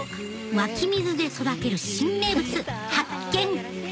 湧き水で育てる新名物発見